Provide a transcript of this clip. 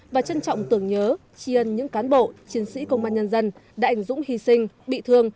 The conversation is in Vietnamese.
và trân trọng tưởng nhớ tri ân những cán bộ chiến sĩ công an nhân dân đã ảnh dũng hy sinh bị thương